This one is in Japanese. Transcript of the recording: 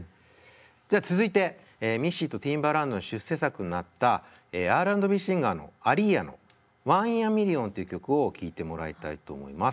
じゃあ続いてミッシーとティンバランドの出世作になったＲ＆Ｂシンガーのアリーヤの「ＯｎｅＩｎａＭｉｌｌｉｏｎ」っていう曲を聴いてもらいたいと思います。